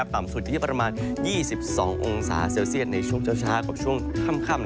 ต่ำสุดอยู่ที่ประมาณ๒๒องศาเซลเซียตในช่วงเช้ากับช่วงค่ำ